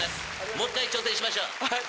もう１回挑戦しましょう。